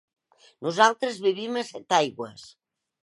Nosaltres vivim a Setaigües.